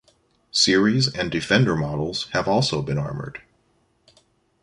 Series and Defender models have also been armoured.